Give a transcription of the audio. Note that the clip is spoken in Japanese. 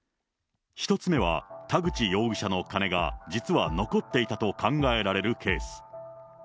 １つ目は、田口容疑者の金が実は残っていたと考えられるケース。